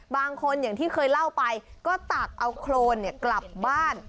บางคนอย่างที่เคยเล่าไปก็ตักเอาโครนกลับบ้าน